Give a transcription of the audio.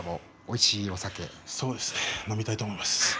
そうですね飲みたいと思います。